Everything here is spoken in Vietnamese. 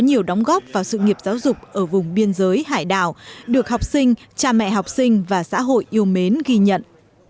có nhiều đóng góp vào sự nghiệp giáo dục ở vùng biên giới hải đảo được học sinh cha mẹ học sinh và xã hội yêu mến ghi nhận